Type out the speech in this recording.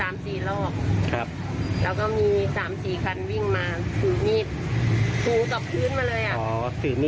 มีมีดคนละอันคนละอัน